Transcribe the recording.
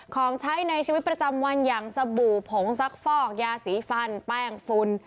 ของใช้ในชีวิตประจำวันอย่างสบู่ผงซักฟอกยาสีฟันแป้งฝุ่น